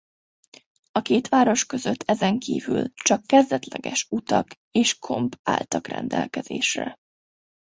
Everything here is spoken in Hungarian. A két város között ezenkívül csak kezdetleges utak és komp álltak rendelkezésre.